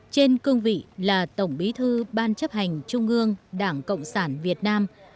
trên cương vị là tổng bí thư ban chấp hành trung ương đảng cộng sản việt nam